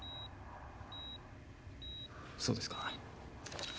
そうですか。